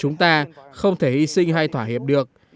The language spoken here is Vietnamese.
chúng ta không thể hy sinh hay thỏa hiệp được